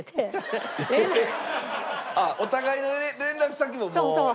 お互いの連絡先ももう？